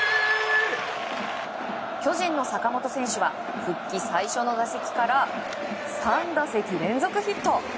巨人の坂本選手は復帰最初の打席から３打席連続ヒット。